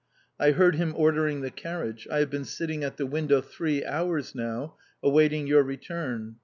I heard him ordering the carriage... I have been sitting at the window three hours now, awaiting your return...